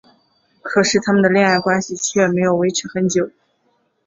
可是他们的恋爱关系却没有维持很久。